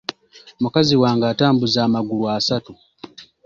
Mukazi wange atambuza amagulu asatu.